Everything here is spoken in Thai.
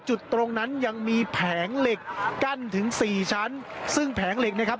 จุดตรงนั้นยังมีแผงเหล็กกั้นถึงสี่ชั้นซึ่งแผงเหล็กนะครับ